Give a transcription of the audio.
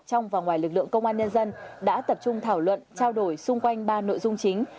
trong và ngoài lực lượng công an nhân dân đã tập trung thảo luận trao đổi xung quanh ba nội dung chính